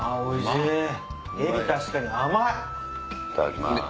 いただきます。